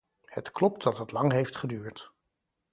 Het klopt dat het lang heeft geduurd.